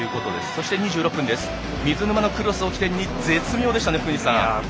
そして２６分、水沼のクロスを起点に絶妙でしたね、福西さん。